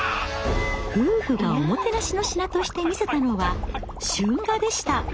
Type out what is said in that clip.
夫婦がおもてなしの品として見せたのは春画でした。